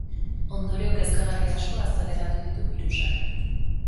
Ondorio kezkagarri asko azaleratu ditu birusak.